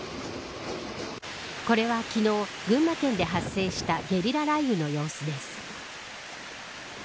これは昨日群馬県で発生したゲリラ雷雨の様子です。